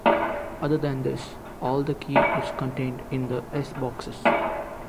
Other than this, all the key is contained in the S-boxes.